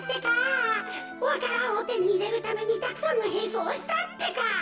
わか蘭をてにいれるためにたくさんのへんそうをしたってか。